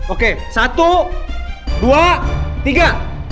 oke satu dua tiga